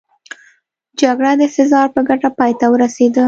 جګړه د سزار په ګټه پای ته ورسېده.